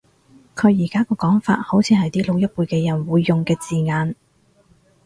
佢而家個講法好似係啲老一輩嘅人會用嘅字眼